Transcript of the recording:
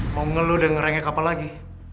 mau ngeluh dan ngerengek apa lagi